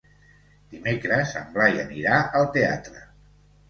Dimecres en Blai anirà al teatre.